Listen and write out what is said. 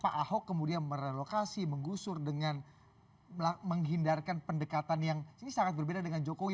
pak ahok kemudian merelokasi menggusur dengan menghindarkan pendekatan yang ini sangat berbeda dengan jokowi